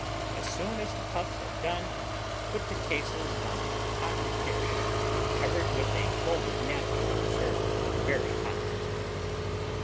As soon as the Puffs are done, put the cases on a hot dish covered with a folded napkin, and serve very hot.